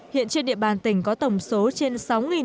hiện trên địa bàn tỉnh có tổng số trên sáu một trăm linh doanh nghiệp